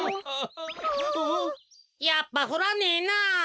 やっぱふらねえな。